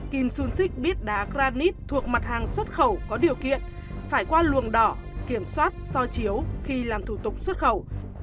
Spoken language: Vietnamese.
kim sung six biết đá granite thuộc mặt hàng xuất khẩu có điều kiện phải qua luồng đỏ kiểm soát so chiếu khi làm thủ tục xuất khẩu